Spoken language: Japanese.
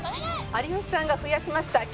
有吉さんが増やしました